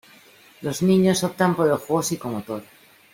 Los niños optan por el juego psicomotor.